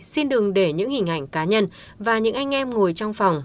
xin đừng để những hình ảnh cá nhân và những anh em ngồi trong phòng